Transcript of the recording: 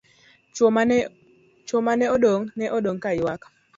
Chuo mane odong', ne odong' kaywak.